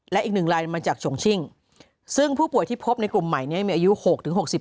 แล้วอีก๑รายมาจากส่งชิ้งซึ่งผู้ป่วยที่พบในกลุ่มใหม่มีอายุ๖๖๐ปี